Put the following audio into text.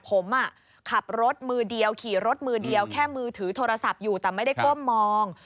ผมขับรถมือเดียวขี่รถมือเดียวแค่มือถือโทรศัพท์อยู่แต่ไม่ได้ก้มมอง